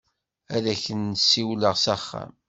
Ad ak-n-siwleɣ s axxam.